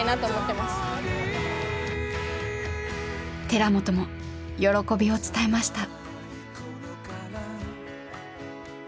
寺本も喜びを伝えました。